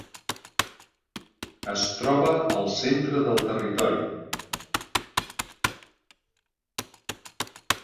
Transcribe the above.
Es troba al centre del territori.